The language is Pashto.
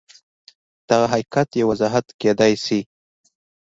دغه حقیقت یو وضاحت کېدای شي